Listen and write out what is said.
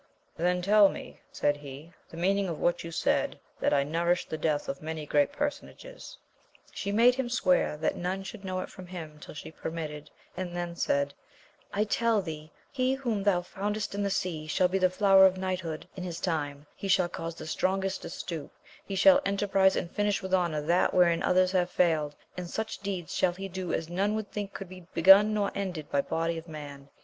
Then tell me, said he, the meaning of what you said, that I nourished the death of many great personages. She made him swear that none should know it from him till she per mitted, and then said, I tell thee, he whom thou found est in the sea shall be the flower of knighthood in his time ; he shall cause the strongest to stoop, he shaj^t enterprize and finish with honour that wherein others have failed, and such deeds shall he do as none would think could be begun nor ended by body of man.